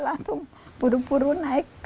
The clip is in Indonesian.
langsung buru buru naik